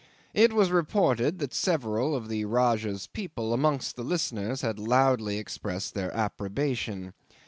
It was reported that several of the Rajah's people amongst the listeners had loudly expressed their approbation.